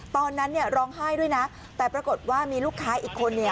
ตอนนั้นร้องไห้ด้วยนะแต่ปรากฏว่ามีลูกค้าอีกคน